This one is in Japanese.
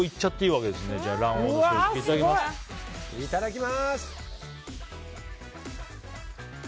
いただきます。